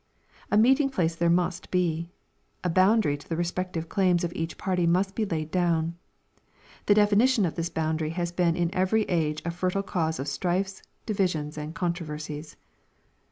A meeting place there must be. A boundary to the respective claims of each party must be laid down. The definition of this boundary has been in every age a fertile cause of strifes, divisions, and controversies.